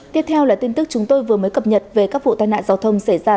tiếp theo là tin tức chúng tôi vừa mới cập nhật về các vụ tai nạn giao thông xảy ra